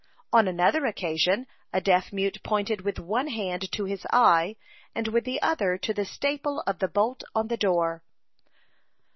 On another occasion a deaf mute pointed with one hand to his eye and with the other to the staple of the bolt on the door.